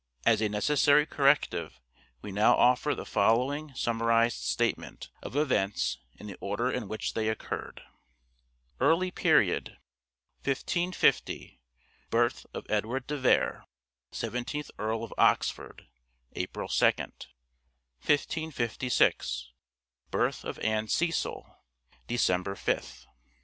As a necessary corrective we now offer the following summarized statement of events in the order in which they occurred. Early Period. 1550. Birth of Edward de Vere, Seventeenth Earl of Oxford (April 2nd). 1556. Birth of Anne Cecil (December 5th).